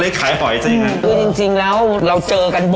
จะกินบ้างไงฮะตอนนั้น